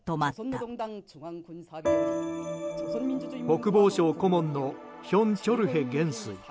国防省顧問のヒョン・チョルヘ元帥。